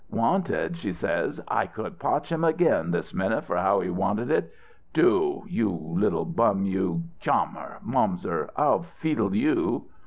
"'Wanted,' she says. I could potch him again this minute for how he wanted it! Du you little bum you Chammer Momser I'll feedle you!"